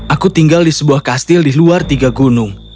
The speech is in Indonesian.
aku tinggal di sebuah kastil di luar tiga gunung